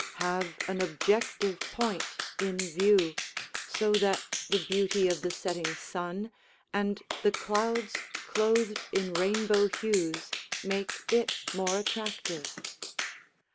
Have an objective point in view, so that the beauty of the setting sun and the clouds clothed in rainbow hues make it more attractive.